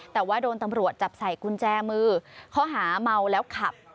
แต่ว่าโดนตำรวจจับใส่กุญแจมือข้อหาเมาแล้วขับ